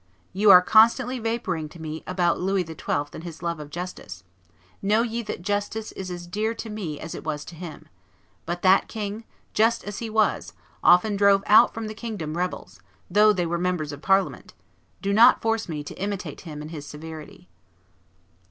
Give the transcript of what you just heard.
You are constantly vaporing to me about Louis XII. and his love of justice; know ye that justice is as dear to me as it was to him; but that king, just as he was, often drove out from the kingdom rebels, though they were members of Parliament; do not force me to imitate him in his severity."